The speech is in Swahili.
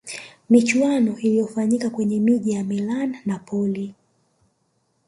michuano ilifanyika kwenye miji ya milan napoli